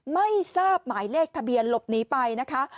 ไม่ทราบหมายเลขทะเบียนหลบหนีไปนะคะ